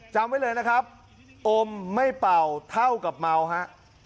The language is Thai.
จำไว้เลยนะครับอมไม่เป่าเท่ากับเมาฮะ